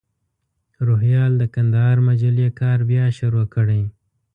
روهیال د کندهار مجلې کار بیا شروع کړی.